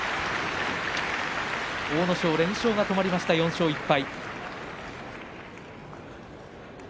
阿武咲、連勝が止まりました４勝１敗。